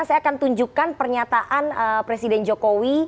saya akan tunjukkan pernyataan presiden jokowi